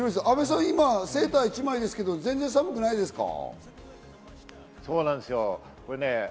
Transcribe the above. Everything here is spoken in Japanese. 阿部さん、今セーター１枚ですけど、全然寒くないですか？